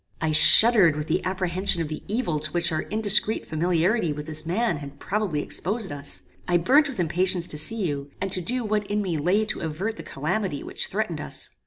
I shuddered with the apprehension of the evil to which our indiscreet familiarity with this man had probably exposed us. I burnt with impatience to see you, and to do what in me lay to avert the calamity which threatened us.